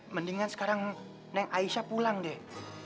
mendingan sekarang neng aisyah pulang deh